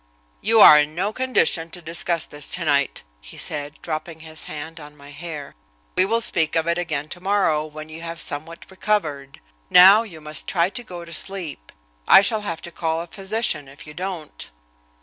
"You are in no condition to discuss this tonight," he said, dropping his hand on my hair, "we will speak of it again tomorrow, when you have somewhat recovered. Now you must try to go to sleep. I shall have to call a physician if you don't."